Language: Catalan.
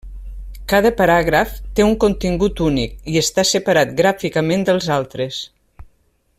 Cada paràgraf té un contingut únic i està separat gràficament dels altres.